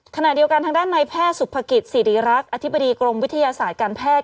ขณะเดียวกันทางด้านในแพทย์สุภกิจสิริรักษ์อธิบดีกรมวิทยาศาสตร์การแพทย์